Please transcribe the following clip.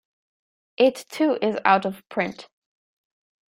It too is out of print.